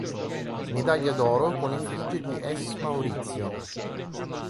Medaglia d'oro con effigie di S. Maurizio.